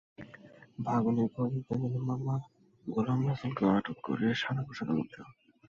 ভাগনের খোঁজ নিতে গেলে মামা গোলাম রসূলকেও আটক করে সাদাপোশাকের লোকজন।